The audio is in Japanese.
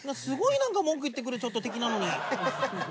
すごいなんか文句言ってくるちょっと敵なのに。